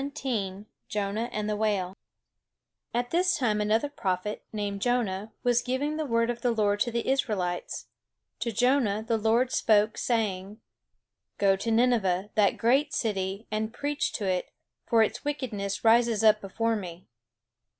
THE STORY OF JONAH AND THE WHALE At this time another prophet, named Jonah, was giving the word of the Lord to the Israelites. To Jonah the Lord spoke, saying: "Go to Nineveh, that great city, and preach to it; for its wickedness rises up before me."